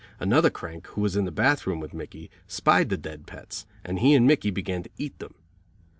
Another crank, who was in the bath room with Mickey, spied the dead pets, and he and Mickey began to eat them.